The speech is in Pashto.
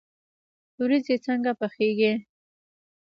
وریجې څنګه پخیږي؟